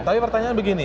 tapi pertanyaan begini